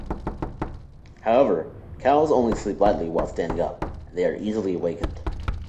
However, cows only sleep lightly while standing up, and they are easily awakened.